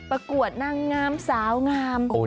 ประกวดนางงามสาวงาม